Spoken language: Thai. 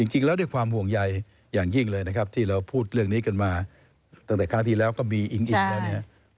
จริงแล้วด้วยความห่วงใยอย่างยิ่งเลยนะครับที่เราพูดเรื่องนี้กันมาตั้งแต่ครั้งที่แล้วก็มีอิงอิงแล้วเนี่ย